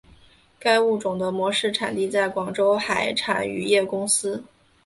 该物种的模式产地在广州海产渔业公司。